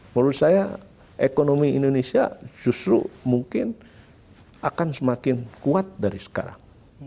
menurut saya ekonomi indonesia justru mungkin akan semakin kuat dari sekarang